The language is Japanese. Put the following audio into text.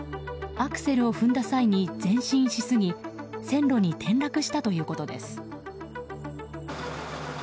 アクセルを踏んだ際に前進しすぎ線路に転落したということです。